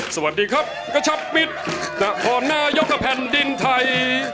สวัสดีครับก็ชับมิดหน้าพ่อหน้ายกภัณฑ์ดินไท